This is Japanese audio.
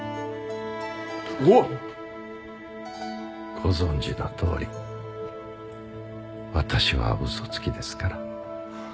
ご存じのとおり私は嘘つきですから。